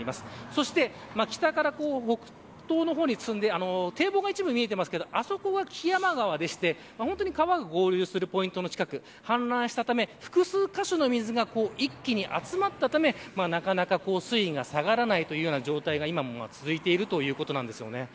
そして、北から北東の方に進んで堤防が一部見えてますけどあそこが木山川でして本当に川が合流するポイントの近く氾濫したため複数カ所の水が一気に集まったためなかなか水位が下がらないという状態が今も続いているということなんですよね。